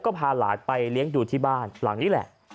ก็พาหลานไปเลี้ยงดูที่บ้านหลังนี้แหละ